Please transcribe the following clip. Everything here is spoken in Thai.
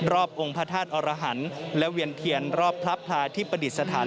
องค์พระธาตุอรหันต์และเวียนเทียนรอบพระพลายที่ประดิษฐาน